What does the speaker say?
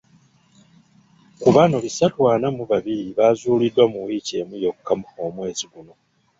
Ku bano bisatu ana mu bbiri bazuuliddwa mu wiiki emu yokka omwezi guno.